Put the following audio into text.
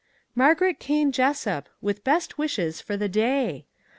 " Margaret Kane Jessup, with best wishes for the day."